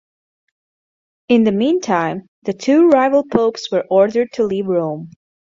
In the meantime, the two rival popes were ordered to leave Rome.